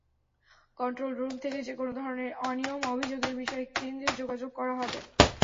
Control room থেকে যেকোনো ধরনের অনিয়ম, অভিযোগের বিষয়ে কেন্দ্রে যোগাযোগ করা হবে।